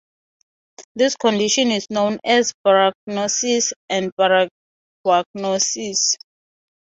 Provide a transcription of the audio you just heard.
This condition is also known as 'baragnosis' and 'baroagnosis'.